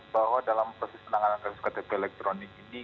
bahwa dalam proses penanganan kredit kredit elektronik ini